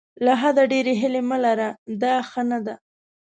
له حده ډېرې هیلې مه لره دا ښه نه ده.